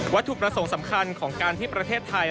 ถูกประสงค์สำคัญของการที่ประเทศไทย